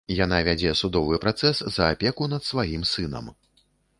Яна вядзе судовы працэс за апеку над сваім сынам.